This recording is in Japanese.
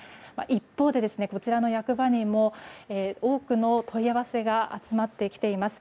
一方で、こちらの役場にも多くの問い合わせが集まってきています。